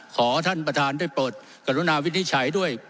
ขอท่านประธานได้เปิดกรุณาวินิจฉัยด้วย